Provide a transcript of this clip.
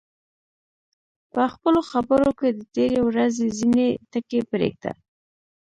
په خپلو خبرو کې د تېرې ورځې ځینې ټکي پرېږده.